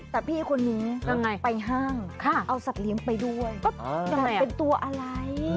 แต่พี่คนนี้ไปห้างเอาสัตว์เลี้ยงไปด้วยแต่มันเป็นตัวอะไร